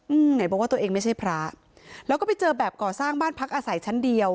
ไหนบอกว่าตัวเองไม่ใช่พระแล้วก็ไปเจอแบบก่อสร้างบ้านพักอาศัยชั้นเดียว